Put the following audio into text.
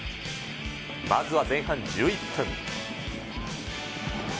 まずは前半１１分。